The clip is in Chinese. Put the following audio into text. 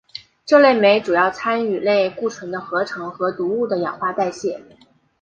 这类酶主要参与类固醇的合成和毒物的氧化代谢。